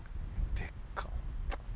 でっか！